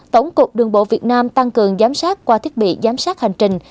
tổng cục đường bộ việt nam tăng cường giám sát qua thiết bị giám sát hành trình